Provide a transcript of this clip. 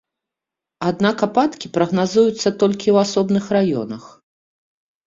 Аднак ападкі прагназуюцца толькі ў асобных раёнах.